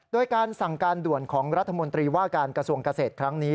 โดยการสั่งการด่วนของรัฐมนตรีว่าการกระทรวงเกษตรครั้งนี้